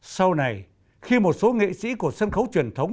sau này khi một số nghệ sĩ của sân khấu truyền thống